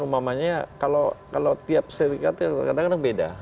umumnya kalau tiap serikat kadang kadang beda